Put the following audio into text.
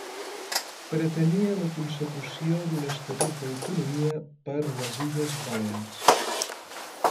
Pretenia la consecució d'un estatut d'autonomia per a les Illes Balears.